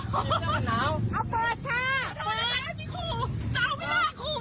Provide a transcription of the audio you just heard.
ค่ะบ้องกันดู